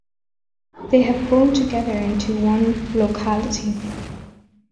They have grown together into one locality.